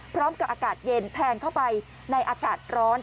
พร้อมกับอากาศเย็นแทนเข้าไปในอากาศร้อน